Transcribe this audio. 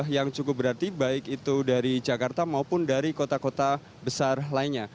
yang cukup berarti baik itu dari jakarta maupun dari kota kota besar lainnya